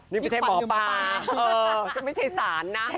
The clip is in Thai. ไม่ใช่หมอปลาไม่ใช่สารนะ